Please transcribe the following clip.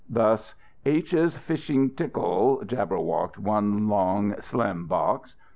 Thus "H's Fshg Tckl" jabberwocked one long slim box.